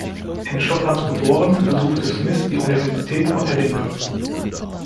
In Schottland geboren, besuchte Smith die Universität von Edinburgh.